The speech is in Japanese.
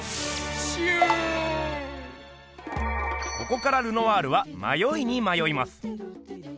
ここからルノワールはまよいにまよいます。